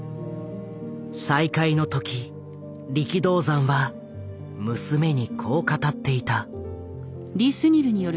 再会の時力道山は娘にこう語っていた。